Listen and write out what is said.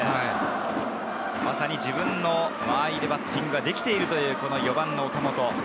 自分の間合いでバッティングができている４番・岡本。